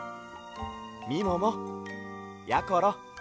みももやころ